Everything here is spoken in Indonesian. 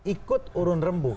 ikut urun rembu